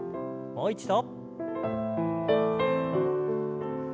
もう一度。